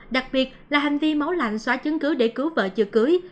đặc biệt là hành vi máu lạnh xóa chứng cứ để cứu vợ chư cưới